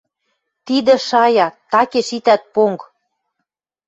«Тидӹ — шая! Такеш итӓт понг!»